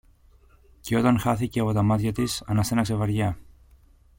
Και όταν χάθηκε από τα μάτια της, αναστέναξε βαριά